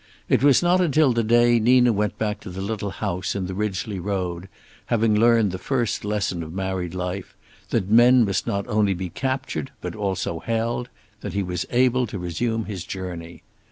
It was not until the day Nina went back to the little house in the Ridgely Road, having learned the first lesson of married life, that men must not only be captured but also held, that he was able to resume his journey.